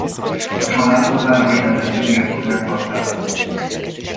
A család a város melletti birtokán gazdálkodott.